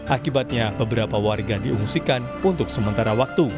akibatnya beberapa warga diungsikan untuk sementara waktu